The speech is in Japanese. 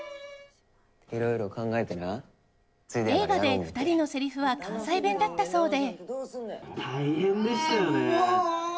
映画で２人のせりふは関西弁だったそうで。